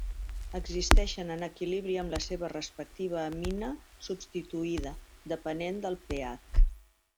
Existeixen en equilibri amb la seva respectiva amina substituïda, depenent del pH.